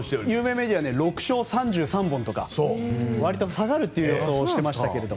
有名メディアは６勝３３本とか割と下がる予想をしていましたよ。